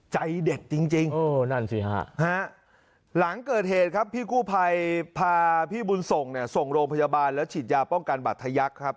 ใจเด็กจริงนั่นสิฮะหลังเกิดเหตุครับพี่กู้ภัยพาพี่บุญส่งเนี่ยส่งโรงพยาบาลแล้วฉีดยาป้องกันบัตรทยักษ์ครับ